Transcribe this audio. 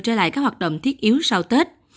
trở lại các hoạt động thiết yếu sau tết